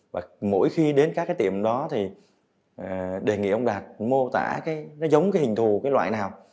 và mỗi khi đến các cái tiệm đó thì đề nghị ông đạt mô tả nó giống cái hình thù cái loại nào